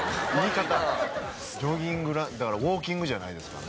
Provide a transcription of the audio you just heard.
ジョギングランだからウォーキングじゃないですからね。